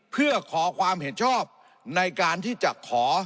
เพื่อขอความเห็นชอบในการที่จะขอ